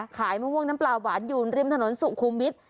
มะม่วงน้ำปลาหวานอยู่ริมถนนสุขุมวิทย์